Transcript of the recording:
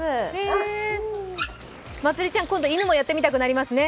まつりちゃん、今度、犬もやってみたくなりますね。